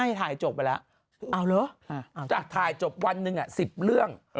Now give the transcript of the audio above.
เอาหรือถ้าถ่ายจบวันหนึ่ง๑๐เรื่อง